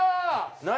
何？